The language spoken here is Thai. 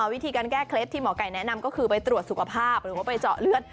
วิธีการแก้เคล็ดที่หมอไก่แนะนำก็คือไปตรวจสุขภาพหรือว่าไปเจาะเลือด